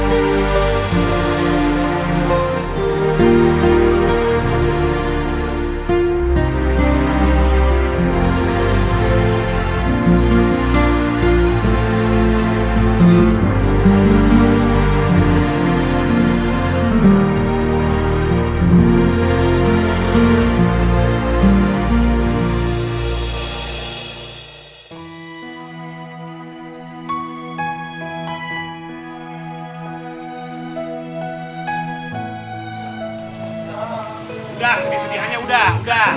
udah sedih sedihannya udah